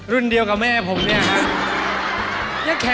รุ่นเดียวกับแม่ผมเนี่ยครับ